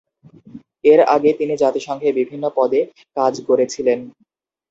এর আগে তিনি জাতিসংঘে বিভিন্ন পদে কাজ করেছিলেন।